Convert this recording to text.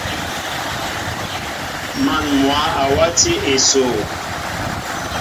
Man mwă a wati esoo.